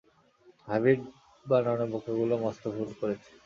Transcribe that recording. Hybrid বানানো বোকাগুলো মস্ত ভুল করেছে।